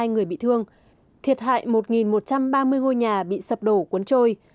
một trăm một mươi hai người bị thương thiệt hại một một trăm ba mươi ngôi nhà bị sập đổ cuốn trôi